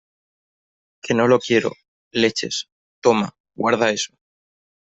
que no lo quiero, leches. toma , guarda eso .